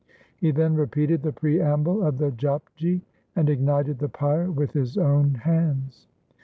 He then repeated the preamble of the Japji and ignited the pyre with his own hands.